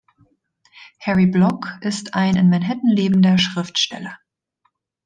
Harry Block ist ein in Manhattan lebender Schriftsteller.